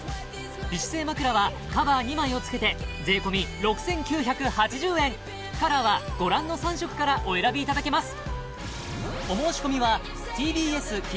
美姿勢まくらはカバー２枚を付けてカラーはご覧の３色からお選びいただけます